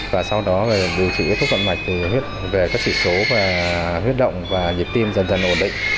và sau đó điều trị thuốc vận mạch về các thịt số và huyết động và nhịp tim dần dần ổn định